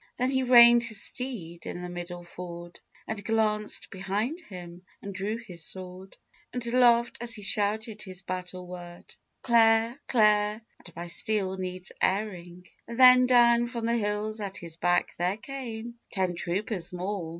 Then he reined his steed in the middle ford, And glanced behind him and drew his sword, And laughed as he shouted his battle word, "Clare! Clare! and my steel needs airing!" Then down from the hills at his back there came Ten troopers more.